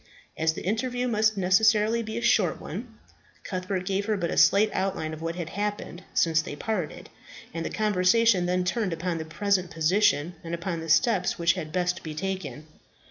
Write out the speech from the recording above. As the interview must necessarily be a short one, Cuthbert gave her but a slight outline of what had happened since they parted, and the conversation then turned upon the present position, and upon the steps which had best be taken.